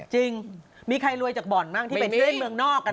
จริงมีใครรวยจากบ่อนบ้างที่ไปเล่นเมืองนอกกัน